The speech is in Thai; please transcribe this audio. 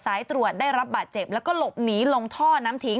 สายตรวจได้รับบาดเจ็บแล้วก็หลบหนีลงท่อน้ำทิ้ง